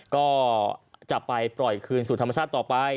ก็จะไปปล่อยคืนสู่ธรรมชาติต่อไป